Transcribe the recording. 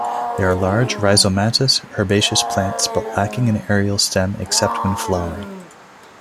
They are large rhizomatous herbaceous plants but lacking an aerial stem, except when flowering.